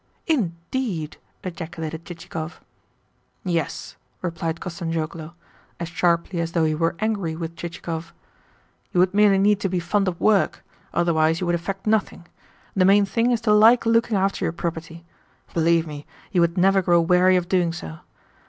"Indeed?" ejaculated Chichikov. "Yes," replied Kostanzhoglo, as sharply as though he were angry with Chichikov. "You would merely need to be fond of work: otherwise you would effect nothing. The main thing is to like looking after your property. Believe me, you would never grow weary of doing so.